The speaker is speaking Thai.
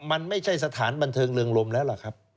มันไม่ใช่สถานบันเทิงเริงลมแล้วล่ะครับ